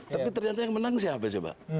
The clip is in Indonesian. tapi ternyata yang menang siapa sih pak